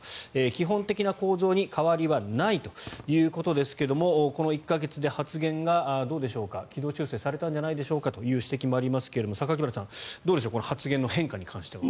基本的な構造に変わりはないということですがこの１か月で発言が軌道修正されたんじゃないでしょうかという指摘もありますが榊原さん、どうでしょう発言の変化に関しては。